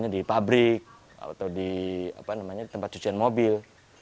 di pabrik atau di tempat cucian mobil